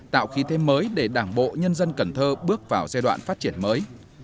tạo khí thêm mới để đảng bộ nhân dân cần thơ bước vào giai đoạn phát triển mới